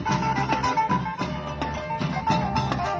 สวัสดีครับทุกคน